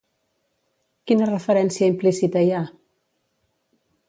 Quina referència implícita hi ha?